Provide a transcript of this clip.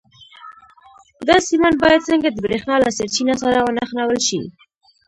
دا سیمان باید څنګه د برېښنا له سرچینې سره ونښلول شي؟